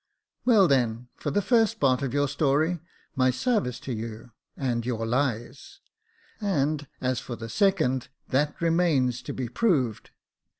" Well then, for the first part of your story, my sarvice to you, and you lies ; and as for the second, that remains to be proved."